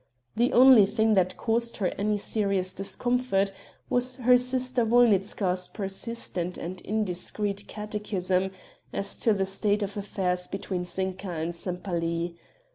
The only thing that caused her any serious discomfort was her sister Wolnitzka's persistent and indiscreet catechism as to the state of affairs between Zinka and Sempaly.